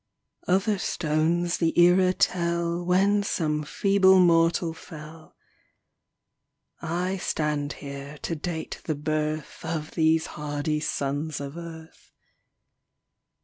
Other stones the era tell When some feeble mortal fell; I stand here to date the birth Of these hardy sons of earth.